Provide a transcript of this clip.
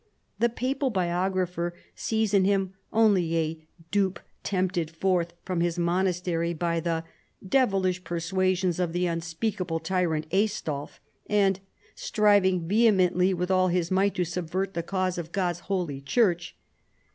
The papal biographer sees in him only a dupe tempted forth from his monastery by the " devilish persuasions of the unspeakable tyrant, Aistulf," and " striving vehemently with all his might to subvert the cause of God's Holy Church."